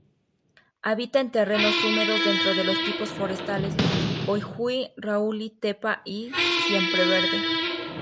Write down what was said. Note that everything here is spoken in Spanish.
Habita en terrenos húmedos dentro de los tipos forestales: Coihue-Raulí-Tepa y Siempreverde.